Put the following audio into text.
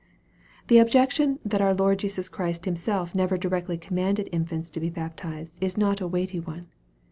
The objaction that our Lord Jesus Christ Himself never directly commanded infants to be baptized is not a weighty one.